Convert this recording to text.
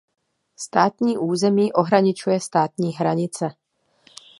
Státní území ohraničuje státní hranice.